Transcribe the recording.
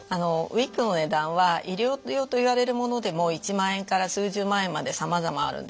ウイッグの値段は医療用といわれるものでも１万円から数十万円までさまざまあるんですね。